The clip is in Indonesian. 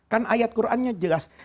kan ayat qurannya jelas